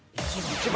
１番。